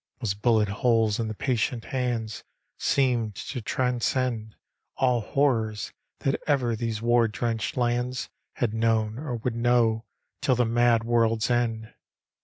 Those bullet holes in the patient hands. Seemed to transcend All horrors that ever these war drenched lands Had known or would know till the mad world's end.